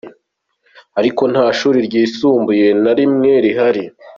Ariko nta shuri ryisumbuye na rimwe rihari.